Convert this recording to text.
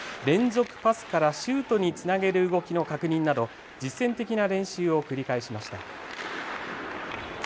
連続パスからシュートにつなげる動きの確認など、実戦的な練習を繰り返しました。